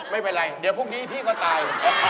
ไม่เป็นไรเดี๋ยวพรุ่งนี้พี่ก็ตาย